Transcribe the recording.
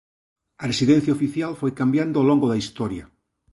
A residencia oficial foi cambiando ao longo da historia.